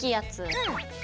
うん。